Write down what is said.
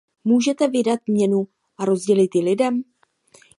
Můžete vydat měnu a rozdělit ji lidem.